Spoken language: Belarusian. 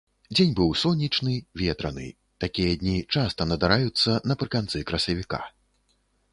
Дзень быў сонечны, ветраны, такія дні часта надараюцца напрыканцы красавіка.